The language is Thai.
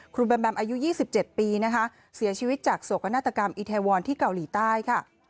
แบมแมมอายุ๒๗ปีนะคะเสียชีวิตจากโศกนาฏกรรมอิเทวอนที่เกาหลีใต้ค่ะ